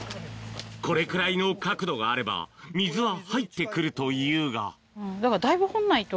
これくらいの角度があれば水は入ってくるというがだいぶ掘んないと。